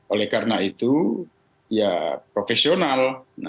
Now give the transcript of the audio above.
oleh karena itu ya profesional